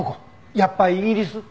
やっぱイギリス？